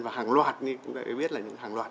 và hàng loạt như các bạn đã biết là hàng loạt